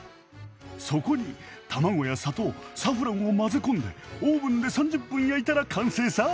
そこに卵や砂糖サフランを混ぜ込んでオーブンで３０分焼いたら完成さ。